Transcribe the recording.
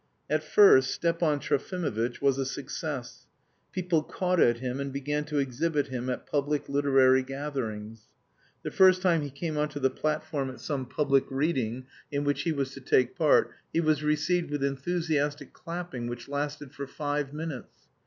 At first Stepan Trofimovitch was a success. People caught at him and began to exhibit him at public literary gatherings. The first time he came on to the platform at some public reading in which he was to take part, he was received with enthusiastic clapping which lasted for five minutes.